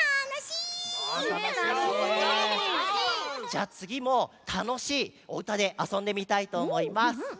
じゃあつぎもたのしいおうたであそんでみたいとおもいます。